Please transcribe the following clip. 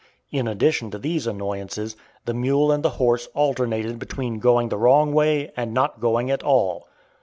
In addition to these annoyances, the mule and the horse alternated between going the wrong way and not going at all.